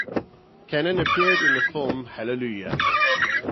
Cannon appeared in the film Hallelujah!